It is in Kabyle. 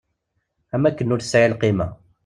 Am wakken ur tesɛi lqima.